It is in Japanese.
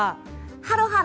ハロハロ！